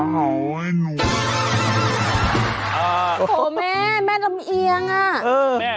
โหแม่แม่ทำเอียงอ่ะ